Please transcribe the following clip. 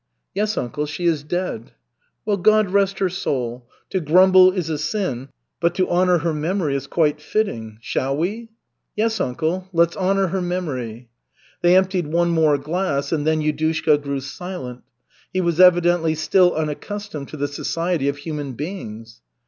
"Yes, uncle, she is dead." "Well, God rest her soul! To grumble is a sin, but to honor her memory is quite fitting. Shall we?" "Yes, uncle, let's honor her memory." They emptied one more glass, and then Yudushka grew silent. He was evidently still unaccustomed to the society of human beings.